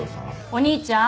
お兄ちゃん。